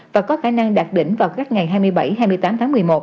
và có khả năng đạt đỉnh vào các ngày hai mươi bảy hai mươi tám tháng một mươi một